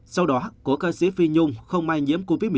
sau đó cổ ca sĩ phi nhung không may nhiễm covid một mươi chín